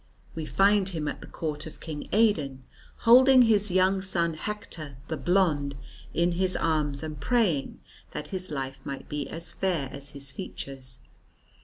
We find him at the Court of King Aidan, holding his young son Hector "the Blond" in his arms and praying that his life might be as fair as his features.